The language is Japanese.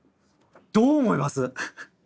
どう思います？